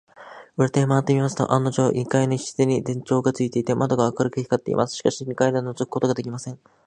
裏手へまわってみますと、案のじょう、二階の一室に電燈がついていて、窓が明るく光っています。しかし、二階ではのぞくことができません。